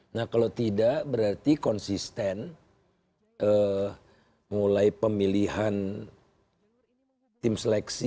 nah kalau tidak berarti konsisten mulai pemilihan tim seleksi